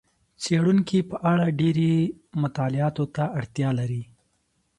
څېړونکي په اړه ډېرې مطالعاتو ته اړتیا لري.